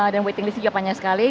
dan waiting list juga panjang sekali